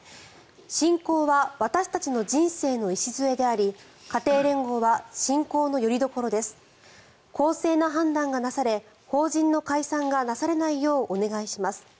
信仰は私たちの人生の礎であり家庭連合は信仰のよりどころです公正な判断がなされ法人の解散がなされないようお願いします